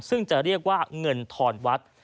ซึ่งจะเรียกว่าเงินทอนวัด